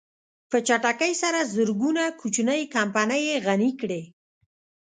په چټکۍ سره زرګونه کوچنۍ کمپنۍ يې غني کړې.